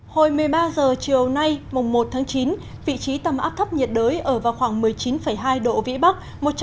hồi một mươi ba h chiều nay mùng một tháng chín vị trí tâm áp thấp nhiệt đới ở vào khoảng một mươi chín hai độ vĩ bắc